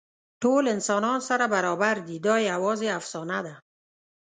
ټول انسانان سره برابر دي، دا یواځې افسانه ده.